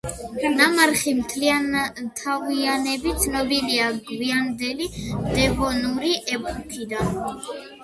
ნამარხი მთლიანთავიანები ცნობილია გვიანდელი დევონური ეპოქიდან.